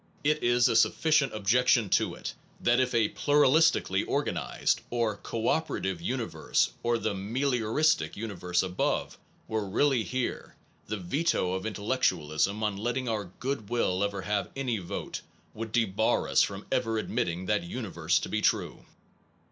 It is a sufficient objection to it, that if a pluralistically* organized, or co operative universe or the melio ristic universe above, were really here, the veto of intellectualism on letting our good will ever have any vote would debar us from ever admitting that universe to be true.